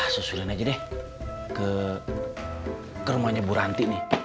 susulan aja deh ke rumahnya bu ranti nih